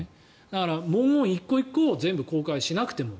だから、文言１個１個を全部公開しなくても。